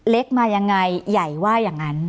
เล็กมายังไงใหญ่ว่าอย่างนั้น